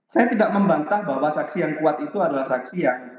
saya tidak membantah bahwa saksi yang kuat itu adalah saksi yang